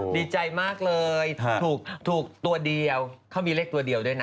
ดีใจมากเลยถูกตัวเดียวเขามีเลขตัวเดียวด้วยนะ